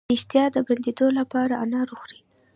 د اشتها د بندیدو لپاره انار وخورئ